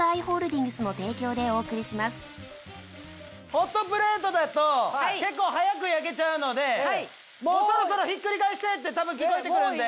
ホットプレートだと結構早く焼けちゃうのでもうそろそろひっくり返してって多分聞こえて来るんで。